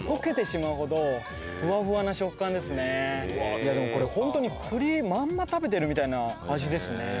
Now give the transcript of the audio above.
いやでもこれ本当に栗まんま食べてるみたいな味ですね。